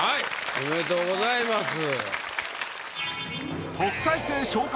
おめでとうございます。